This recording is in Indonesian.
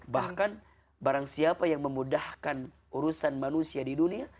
bahkan barang siapa yang memudahkan urusan manusia di dunia